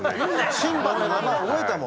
審判の名前覚えたもん。